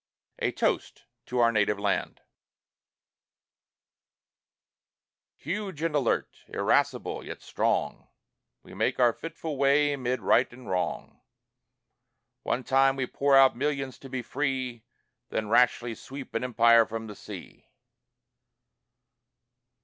A TOAST TO OUR NATIVE LAND Huge and alert, irascible yet strong, We make our fitful way 'mid right and wrong. One time we pour out millions to be free, Then rashly sweep an empire from the sea!